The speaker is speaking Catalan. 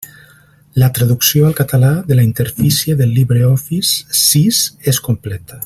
La traducció al català de la interfície del LibreOffice sis és completa.